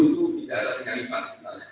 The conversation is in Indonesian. itu tidak ada penyelipan